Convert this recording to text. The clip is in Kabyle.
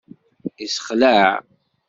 Yessexlaɛ!